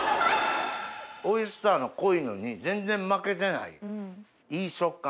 オイスターの濃いのに全然負けてないいい食感。